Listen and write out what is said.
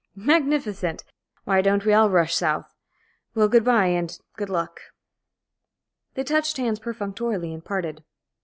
"Magnificent! Why don't we all rush south? Well, good bye again, and good luck." They touched hands perfunctorily and parted.